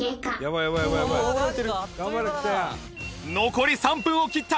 残り３分を切った！